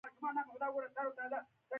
له ستړیا سره بیدېدو، کله چي به یو راپاڅېد.